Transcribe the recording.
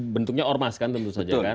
bentuknya ormas kan tentu saja kan